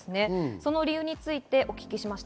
その理由についてお聞きしました。